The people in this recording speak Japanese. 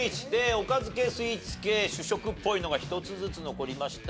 おかず系スイーツ系主食っぽいのが１つずつ残りました。